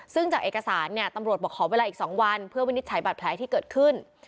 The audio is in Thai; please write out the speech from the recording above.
ซึ่งจากเอกสารเนี่ยตำรวจบอกขอเวลาอีก๒วันเพื่อวินิจฉัยบัตรแผลที่เกิดขึ้น